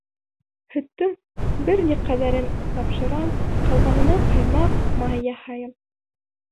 Һөттөң бер ни ҡәҙәрен тапшырам, ҡалғанынан ҡаймаҡ-май яһайым.